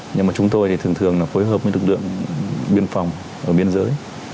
nhưng mà chúng tôi thì thường thường là phối hợp với lực lượng biên phòng ở biên giới